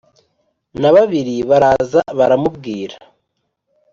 na babiri baraza baramubwira